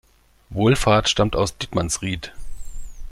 Wohlfahrt stammt aus Dietmannsried.